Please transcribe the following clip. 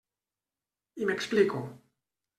I m'explico.